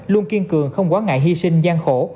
luôn kiên cường không quá ngại hy sinh gian khổ